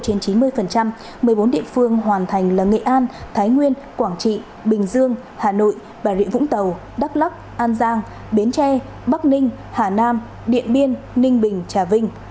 trên chín mươi một mươi bốn địa phương hoàn thành là nghệ an thái nguyên quảng trị bình dương hà nội bà rịa vũng tàu đắk lắc an giang bến tre bắc ninh hà nam điện biên ninh bình trà vinh